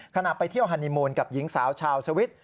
ขณะไปเที่ยวฮานีมูลกับหญิงสาวชาวสวิตช์